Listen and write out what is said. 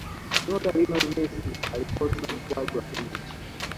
nyota lionel messi alikosa mkwaju wa penati